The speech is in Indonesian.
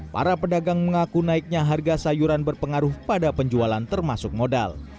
para pedagang mengaku naiknya harga sayuran berpengaruh pada penjualan termasuk modal